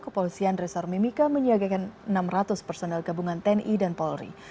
kepolisian resor mimika menyiagakan enam ratus personel gabungan tni dan polri